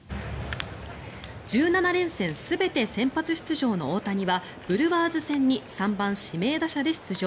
１７連戦全て先発出場の大谷はブルワーズ戦に３番指名打者で出場。